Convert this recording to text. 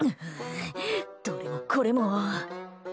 どれもこれも。